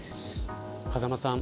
風間さん